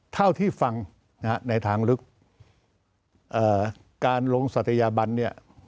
เท่าที่ฟังนะฮะในทางลึกการลงศัตยาบันเนี่ย